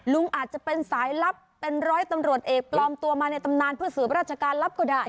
ลุงอาจจะเป็นสายลับเป็นร้อยตำรวจเอกปลอมตัวมาในตำนานเพื่อสืบราชการรับก็ได้